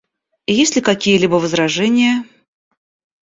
Есть ли какие-либо возражения?